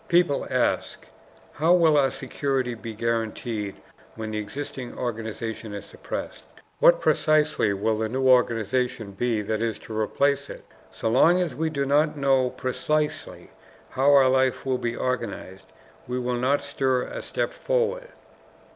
People ask, "How will our security be guaranteed when the existing organization is suppressed? What precisely will the new organization be that is to replace it? So long as we do not know precisely how our life will be organized, we will not stir a step forward."